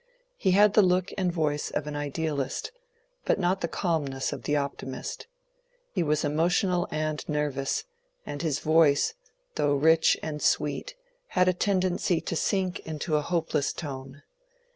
He had the look and voice of an idealist, but not the calmness of the optimist. He was emotional and nervous, and his voice, though rich and sweet, had a tendency to sink into a hopeless tone.